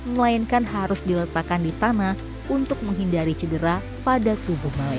melainkan harus diletakkan di tanah untuk menghindari cedera pada tubuh male